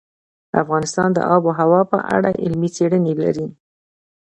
افغانستان د آب وهوا په اړه علمي څېړنې لري.